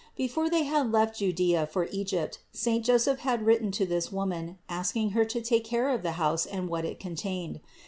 Before They had left Judea for Egypt, saint Joseph had written to this woman, asking her to take care of the house and what it contained.